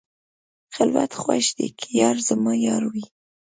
خلوت خوږ دی که یار زما یار وي.